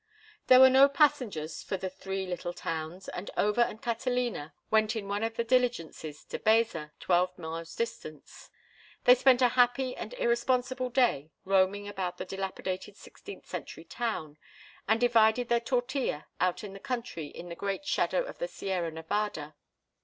There were no passengers for the three little towns, and Over and Catalina went in one of the diligences to Baeza, twelve miles distant. They spent a happy and irresponsible day roaming about the dilapidated sixteenth century town, and divided their tortilla out in the country in the great shadow of the Sierra Nevada.